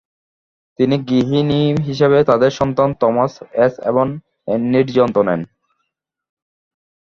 তিনি গৃহীনি হিসাবে তাদের সন্তান থমাস এস এবং অ্যানির যত্ন নেন।